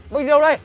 bác đi đâu đây